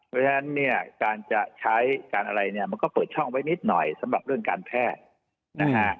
เพราะฉะนั้นเนี่ยการจะใช้การอะไรเนี่ยมันก็เปิดช่องไว้นิดหน่อยสำหรับเรื่องการแพทย์นะฮะ